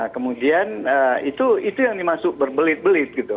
kemudian itu yang dimaksud berbelit belit gitu